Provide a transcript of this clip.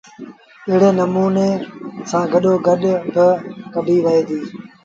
ايڙي نموٚني سآݩ گڏو گڏ گُڏ با ڪڍيٚ وهي ديٚ